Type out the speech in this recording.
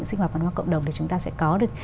sinh hoạt văn hóa cộng đồng thì chúng ta sẽ có được